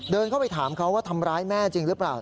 เดินเข้าไปถามเขาว่าทำร้ายแม่จริงหรือเปล่า